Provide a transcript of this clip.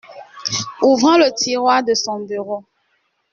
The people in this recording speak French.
Ouvrant le tiroir de son bureau.